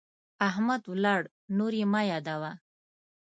احمد ولاړ، نور يې مه يادوه.